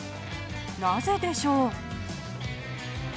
なぜでしょう？